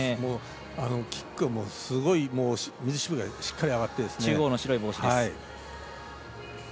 キックがすごい水しぶきがしっかりあがって。